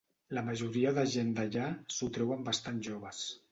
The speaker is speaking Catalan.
La majoria de gent d'allà s'ho treuen bastant joves.